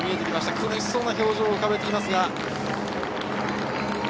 苦しそうな表情を浮かべていますが。